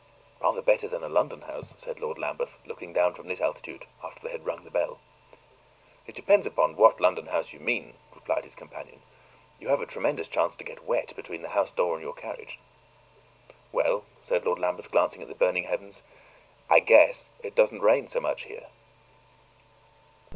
"Rather better than a London house," said Lord Lambeth, looking down from this altitude, after they had rung the bell. "It depends upon what London house you mean," replied his companion. "You have a tremendous chance to get wet between the house door and your carriage." "Well," said Lord Lambeth, glancing at the burning heavens, "I 'guess' it doesn't rain so much here!"